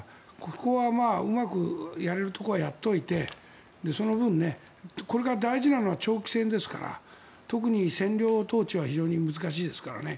ここはうまくやれるところはやっておいてその分、これから大事なのは長期戦ですから特に占領統治は非常に難しいですからね。